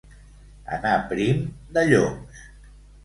Anar prim de lloms.